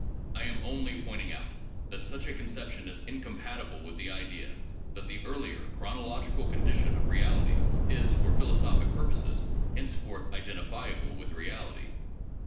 I am only pointing out that such a conception is incompatible with the idea that the earlier chronological condition of reality is for philosophic purposes henceforth identifiable with reality.